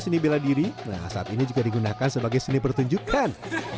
seni bela diri nah saat ini juga digunakan sebagai seni pertunjukan